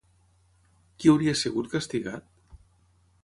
Qui hauria sigut castigat?